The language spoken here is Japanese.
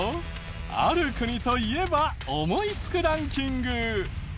「ある国」といえば思いつくランキング。